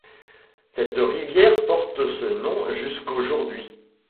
Cette rivière porte ce nom jusqu'aujourd'hui.